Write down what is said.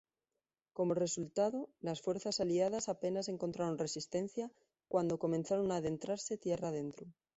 Como resultado las fuerzas aliadas apenas encontraron resistencia cuando comenzaron a adentrarse tierra adentro.